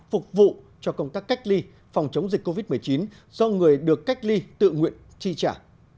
phục vụ cho công tác cách ly phòng chống dịch covid một mươi chín do người được cách ly tự nguyện tri trả